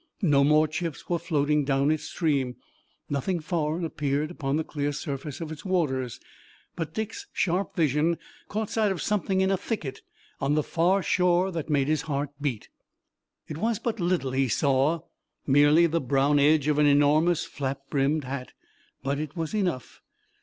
No more chips were floating down its stream. Nothing foreign appeared upon the clear surface of its waters, but Dick's sharp vision caught sight of something in a thicket on the far shore that made his heart beat. It was but little he saw, merely the brown edge of an enormous flap brimmed hat, but it was enough.